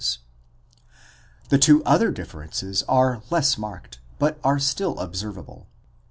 The two other differences are less marked, but are still observable.